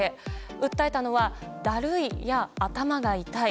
訴えたのは、だるいや頭が痛い。